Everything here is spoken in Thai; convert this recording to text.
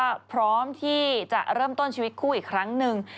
ก็พร้อมที่จะเริ่มต้นชีวิตคู่อีกครั้งหนึ่ง